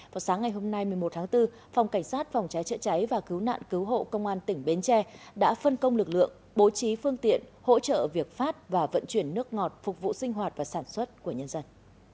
vào sáng ngày hôm nay một mươi một tháng bốn phòng cảnh sát phòng cháy chữa cháy và cứu nạn cứu hộ công an tỉnh bến tre đã phân công lực lượng bố trí phương tiện hỗ trợ việc phát và vận chuyển nước ngọt phục vụ sinh hoạt và sản xuất của nhân dân